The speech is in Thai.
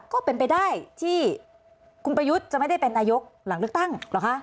ก็เป็นไปได้ที่คุณประยุทธ์จะไม่ได้เป็นนายกหลังเลือกตั้งเหรอคะ